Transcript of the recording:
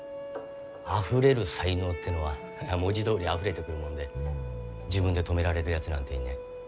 あふれる才能ってのはははっ文字どおりあふれてくるもんで自分で止められるやつなんていねぇ。